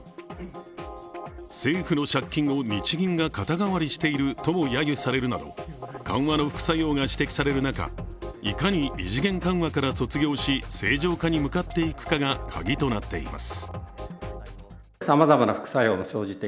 政府の借金を日銀が肩代わりしているともやゆされるなど緩和の副作用が指摘される中いかに異次元緩和から卒業し正常化に向かっていくかがカギとなっています。